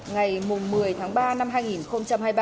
ngày một mươi tháng ba năm hai nghìn hai mươi ba